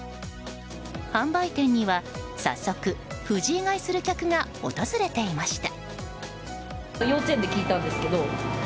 販売店には早速フジイ買いする客が訪れていました。